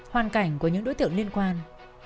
hoàn cảnh của những đối tượng liên quan